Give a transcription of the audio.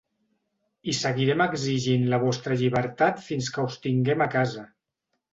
I seguirem exigint la vostra llibertat fins que us tinguem a casa.